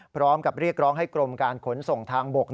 พร้อมกับเรียกร้องให้กรมการขนส่งทางบก